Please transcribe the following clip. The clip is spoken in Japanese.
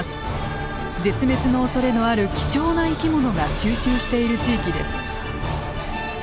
絶滅のおそれのある貴重な生き物が集中している地域です。